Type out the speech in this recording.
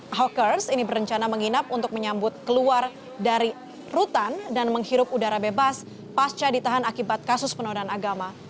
ahokers ini berencana menginap untuk menyambut keluar dari rutan dan menghirup udara bebas pasca ditahan akibat kasus penodaan agama